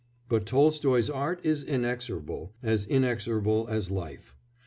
But Tolstoy's art is inexorable, as inexorable as life.